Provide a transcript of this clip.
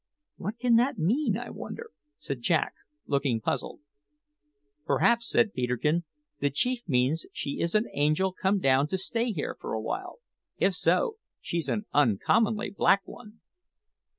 "What can that mean, I wonder?" said Jack, looking puzzled. "Perhaps," said Peterkin, "the chief means she is an angel come down to stay here for a while. If so, she's an uncommonly black one!"